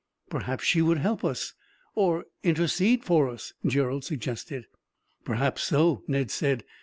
"Perhaps she would help us, or intercede for us," Gerald suggested. "Perhaps so," Ned said.